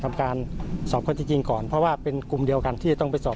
ทำการสอบข้อที่จริงก่อนเพราะว่าเป็นกลุ่มเดียวกันที่จะต้องไปสอบ